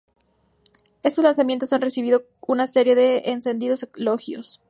Este lanzamiento ha recibido una serie de encendidos elogios.